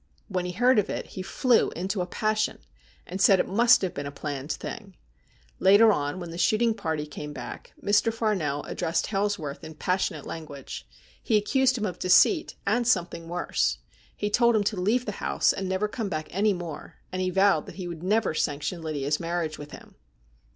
When he heard of it he flew into a passion, and said it must have been a planned thing. Later on, when the shooting party came back, Mr. Farnell addressed Hails worth in passionate language. He accused him of deceit and something worse. He told him to leave the house and never come back any more ; and he vowed that he would never sanction Lydia's marriage with him.